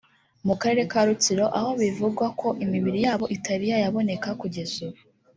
mu Akarere ka Rutsiro aho bivugwa ko imibiri yabo itari yayaboneka kugeza ubu